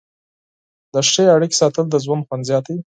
د ښې اړیکې ساتل د ژوند خوند زیاتوي.